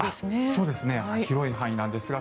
広い範囲ですね。